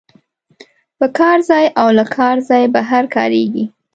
په کار ځای او له کار ځای بهر کاریږي.